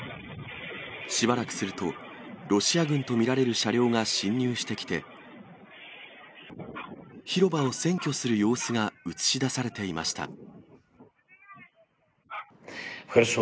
しばらくすると、ロシア軍と見られる車両が侵入してきて、広場を占拠する様子が映し出されていました。